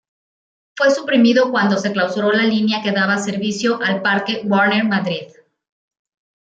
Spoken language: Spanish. Fue suprimido cuando se clausuró la línea que daba servicio al Parque Warner Madrid.